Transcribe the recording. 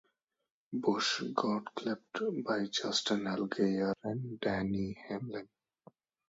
Busch got clipped by Justin Allgaier and Denny Hamlin.